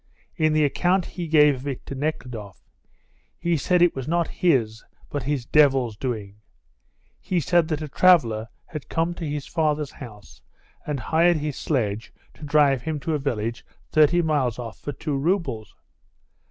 In the account he gave of it to Nekhludoff, he said it was not his but his devil's doing. He said that a traveller had come to his father's house and hired his sledge to drive him to a village thirty miles off for two roubles.